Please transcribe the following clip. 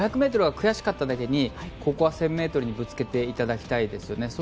５００ｍは悔しかっただけにここは１０００ｍにぶつけていただきたいですね。